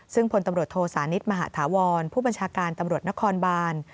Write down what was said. ซึ่งพลตำรวจโทสานิทมหาธาวรผู้บัญชาการตำรวจนครบาน